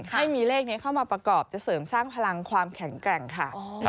ให้มีเลขนี้เข้ามาประกอบจะเสริมสร้างพลังความแข็งแกร่งค่ะ